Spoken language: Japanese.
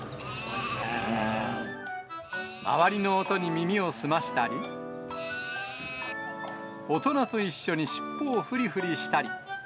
周りの音に耳を澄ましたり、大人と一緒に尻尾をふりふりしたり。